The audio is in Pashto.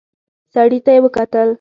سړي ته يې وکتل.